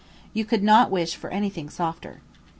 You could not wish for anything softer.